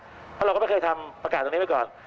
เพราะเราก็ไม่เคยทำประกาศตรงนี้ไปก่อน